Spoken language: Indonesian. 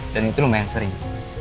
dan itu lumayan sering